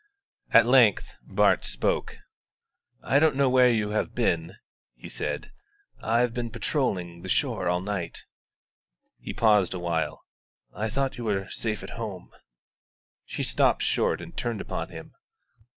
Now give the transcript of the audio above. At length Bart spoke. "I don't know where you have been," he said. "I have been patrolling the shore all night." He paused awhile. "I thought you were safe at home." She stopped short and turned upon him.